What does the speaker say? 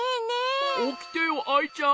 おきてよアイちゃん。